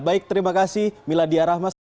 baik terima kasih mila diarahmas